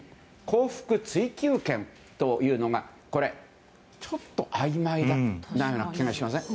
幸福追求権というのがちょっと曖昧のような気がしません？